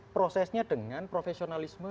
prosesnya dengan profesionalisme